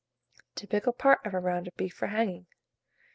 TO PICKLE PART OF A ROUND OF BEEF FOR HANGING.